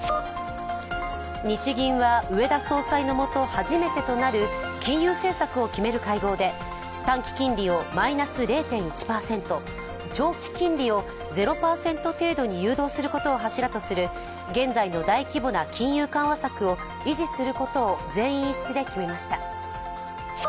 日銀は植田総裁のもと初めてとなる金融政策を決める会合で、短期金利をマイナス０．１％、長期金利を０％程度に誘導することを柱とする現在の大規模な金融緩和策を維持することを全員一致で決めました。